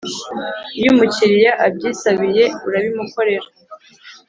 iyo umukiriya abyisabiye urabimukorera